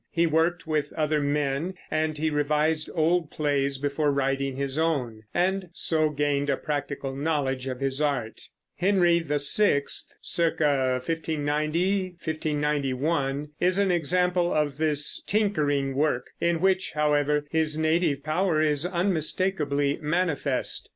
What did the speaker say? He worked with other men, and he revised old plays before writing his own, and so gained a practical knowledge of his art. _Henry VI _(c. 1590 1591) is an example of this tinkering work, in which, however, his native power is unmistakably manifest.